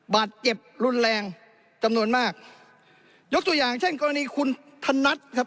บาดเจ็บรุนแรงจำนวนมากยกตัวอย่างเช่นกรณีคุณธนัดครับ